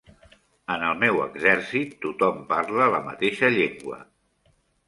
En el meu exèrcit tothom parla la mateixa llengua.